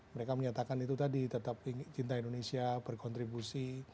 mereka menyatakan itu tadi tetap cinta indonesia berkontribusi